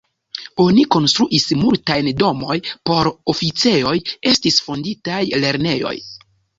Oni konstruis multajn domoj por oficejoj, estis fonditaj lernejoj.